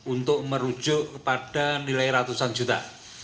untuk merujuk kepada nilai ratusan juta